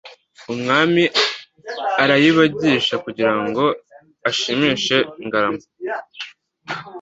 » Umwami arayibagisha kugirango ashimishe ngarama